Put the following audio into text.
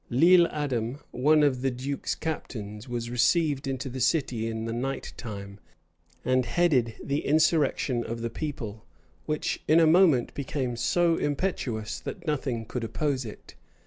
Lile Adam, one of the duke's captains, was received into the city in the night time, and headed the insurrection of the people, which in a moment became so impetuous that nothing could oppose it.